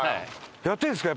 やってるんですか？